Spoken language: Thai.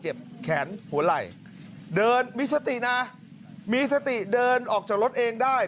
แขนหัวไหล่เดินมีสตินะมีสติเดินออกจากรถเองได้